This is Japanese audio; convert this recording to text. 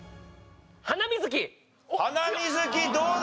ハナミズキどうだ？